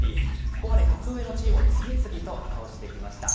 ここまで格上のチームを次々と倒してきました。